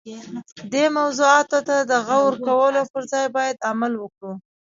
دې موضوعاتو ته د غور کولو پر ځای باید عمل وکړو.